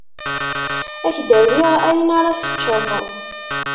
Ad k-d-awiɣ ayen ara teččeḍ.